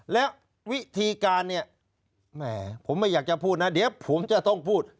แล้ววิธีการเนี่ยแหมผมไม่อยากจะพูดนะเดี๋ยวผมจะต้องพูด